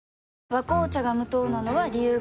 「和紅茶」が無糖なのは、理由があるんよ。